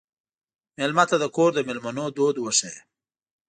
مېلمه ته د کور د مېلمنو دود وښیه.